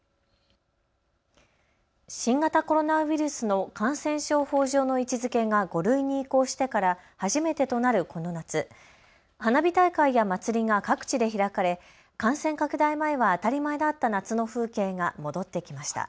新型コロナウイルスの感染症法上の位置付けが５類に移行してから初めてとなるこの夏、花火大会や祭りが各地で開かれ感染拡大前は当たり前だった夏の風景が戻ってきました。